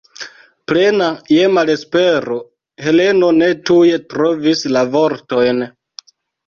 Plena je malespero, Heleno ne tuj trovis la vortojn.